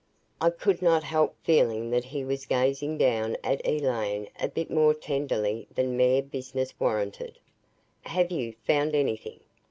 I could not help feeling that he was gazing down at Elaine a bit more tenderly than mere business warranted. "Have you found anything?"